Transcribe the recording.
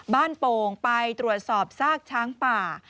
โป่งไปตรวจสอบซากช้างป่า